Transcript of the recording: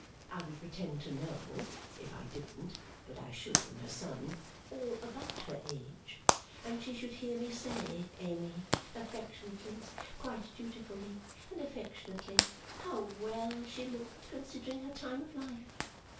I would pretend to know if I didn't, but I should from her son all about her age. And she should hear me say, Amy: affectionately, quite dutifully and affectionately: how well she looked, considering her time of life.